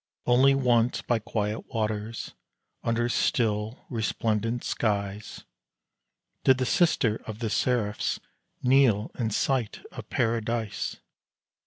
Only once by quiet waters, under still, resplendent skies, Did the sister of the seraphs kneel in sight of Paradise!